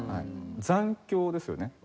残響ですよね。